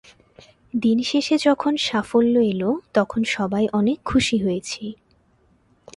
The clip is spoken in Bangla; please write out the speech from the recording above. দিন শেষে যখন সাফল্য এল, তখন সবাই অনেক খুশি হয়েছি।